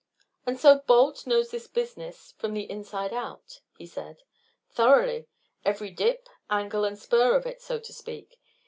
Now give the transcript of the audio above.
"And so Balt knows this business from the inside out?" he said. "Thoroughly; every dip, angle, and spur of it, so to speak.